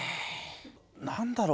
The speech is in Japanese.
何だろう？